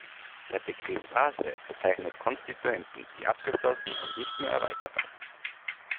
Der Begriff Phrase bezeichnet Konstituenten, die abgeschlossen und nicht mehr erweiterbar sind.